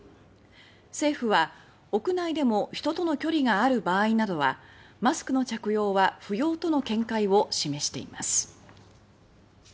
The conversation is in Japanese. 政府は、屋内でも人との距離がある場合などはマスクの着用は不要との見解を示しています。